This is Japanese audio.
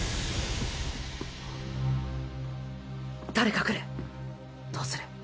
誰か来るどうする？